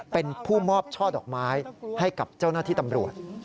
เป็นผู้มอบช่อดอกไม้ให้กับเจ้าหน้าที่ตำรวจ